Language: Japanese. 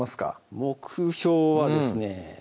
目標はですね